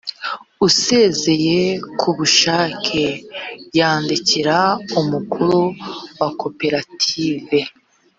usezeye ku bushake yandikira umukuru wa koperative